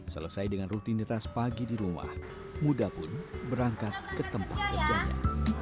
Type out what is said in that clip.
selesai dengan rutinitas pagi di rumah muda pun berangkat ke tempat kerjanya